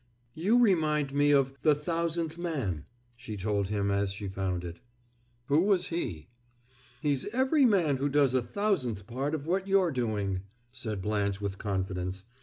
"You remind me of The Thousandth Man," she told him as she found it. "Who was he?" "He's every man who does a thousandth part of what you're doing!" said Blanche with confidence.